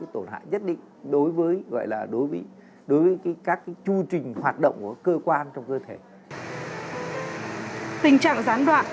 tình trạng gián đoạn